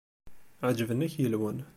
Ԑeǧben-ak yilwen.